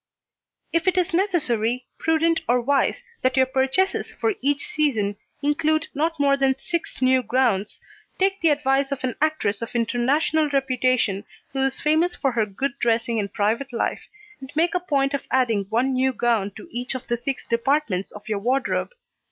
If it is necessary, prudent or wise that your purchases for each season include not more than six new gowns, take the advice of an actress of international reputation, who is famous for her good dressing in private life, and make a point of adding one new gown to each of the six departments of your wardrobe.